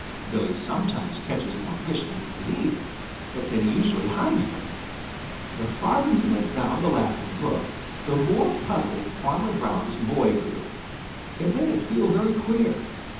Billy sometimes catches more fish than he can eat, but then he usually hides them. The farther he went down the Laughing Brook, the more puzzled Farmer Brown's boy grew. It made him feel very queer.